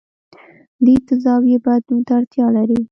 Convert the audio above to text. لید د زاویې بدلون ته اړتیا لري.